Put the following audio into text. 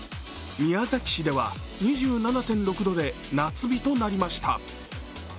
宮崎市では２７．６度で夏日となりました。